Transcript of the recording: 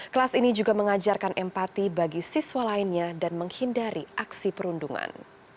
kelas ini juga mengajarkan empati bagi siswa lainnya dan menghindari aksi perundungan